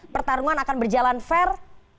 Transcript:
pertarungan akan berjalan fair